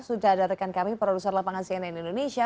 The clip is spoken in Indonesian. sudah ada rekan kami produser lapangan cnn indonesia